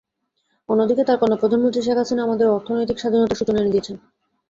অন্যদিকে তাঁর কন্যা প্রধানমন্ত্রী শেখ হাসিনা আমাদের অর্থনৈতিক স্বাধীনতার সূচনা এনে দিয়েছেন।